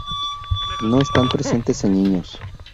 No están presentes en niños.